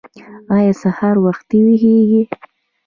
ایا سهار وختي ویښیږئ؟